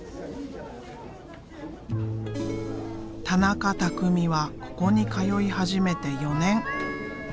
田中拓実はここに通い始めて４年。